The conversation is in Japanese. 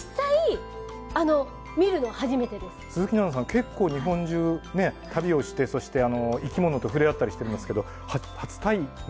結構日本中ね旅をしてそして生き物と触れ合ったりしてますけどは初対面？